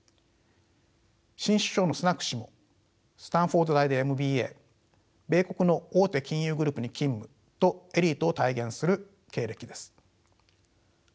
新首相のスナク氏もスタンフォード大でＭＢＡ米国の大手金融グループに勤務とエリートを体現する経歴です。